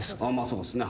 そうっすね。